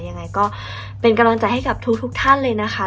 ยังไงก็เป็นกำลังใจให้กับทุกท่านเลยนะคะ